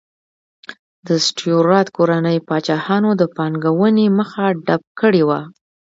د سټیورات کورنۍ پاچاهانو د پانګونې مخه ډپ کړې وه.